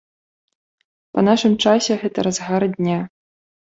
Па нашым часе гэта разгар дня.